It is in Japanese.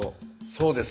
そうですね。